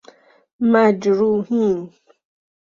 مجروحین